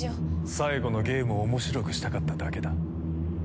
最後のゲームをおもしろくしたかっただけだ。